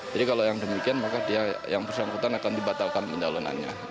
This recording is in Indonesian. jadi kalau yang demikian maka dia yang bersangkutan akan dibatalkan pencalonannya